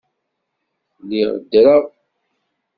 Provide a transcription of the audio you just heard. Lliɣ ddreɣ.